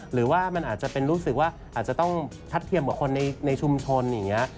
หรือว่ามันอาจจะเป็นรู้สึกว่าอาจจะต้องทัดเทียมกับคนในชุมชนอย่างนี้